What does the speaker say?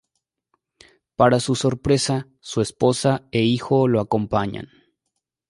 Para su sorpresa, su esposa e hijo lo acompañan.